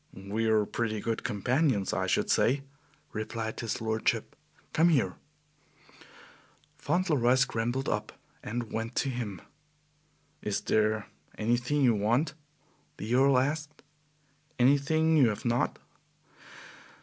"We are pretty good companions, I should say," replied his lordship. "Come here." Fauntleroy scrambled up and went to him. "Is there anything you want," the Earl asked; "anything you have not?"